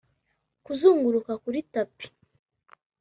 kuzunguruka kuri tapi